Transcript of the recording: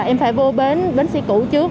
em phải vô bến bến xe cũ trước